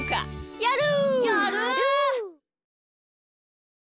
やる！